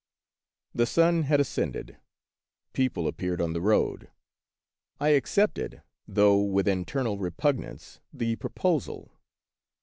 The sun had ascended ; people appeared on the road ; I accepted, though with internal re pugnance, the proposal.